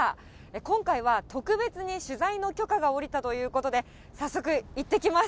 今回は特別に取材の許可が下りたということで、早速、行ってきます。